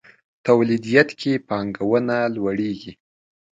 توليديت کې پانګونه لوړېږي.